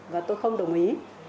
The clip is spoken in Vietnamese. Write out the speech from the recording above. và tôi không đồng ý